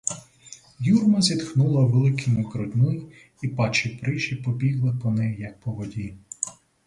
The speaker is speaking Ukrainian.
Юрма зітхнула великими грудьми і паче брижі пробігли по ній, як по воді.